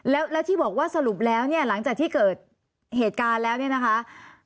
แล้วที่บอกว่าสรุปแล้วเนี่ยหลังจากที่เกิดเหตุการณ์แล้วเนี่ยนะคะ